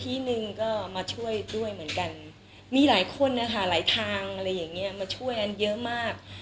ที่หนึ่งก็มาช่วยด้วยเหมือนกันมีหลายคนนะคะหลายทางอะไรอย่างเงี้ยมาช่วยอันเยอะมาก